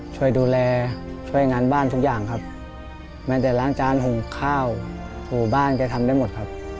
ช่วยดูแลช่วยงานบ้านทุกอย่างครับแม้แต่ล้างจานหุงข้าวถูบ้านแกทำได้หมดครับ